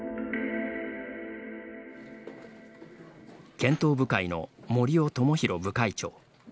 検討部会の森尾友宏部会長。